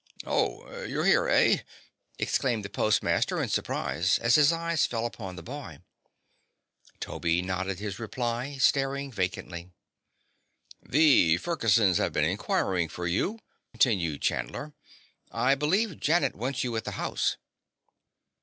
"Oh, you're here, eh?" exclaimed the postmaster, in surprise, as his eyes fell upon the boy. Toby nodded his reply, staring vacantly. "The Fergusons have been inquiring for you," continued Chandler. "I believe Janet wants you at the house."